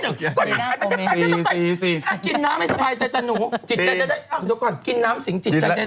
ถ้ากินน้ำไม่สบายใจจำหนูอ๋อดูก่อนจินได้ไหมผม